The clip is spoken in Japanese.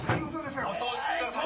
お通しください！